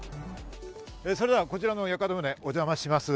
それでは、こちらの屋形船にお邪魔します。